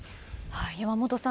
山本さん